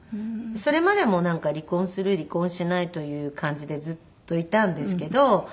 それまでもなんか離婚する離婚しないという感じでずっといたんですけど。